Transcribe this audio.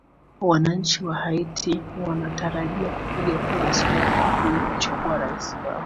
wananchi wa haiti wanatarajia kupiga kura siku ya jumapili kuchagua rais wao